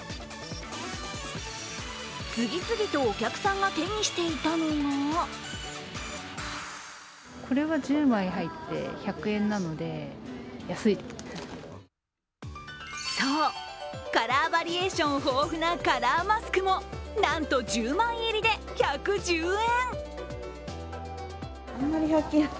次々とお客さんが手にしていたのがそう、カラーバリエーション豊富なカラーマスクもなんと１０枚入りで１１０円。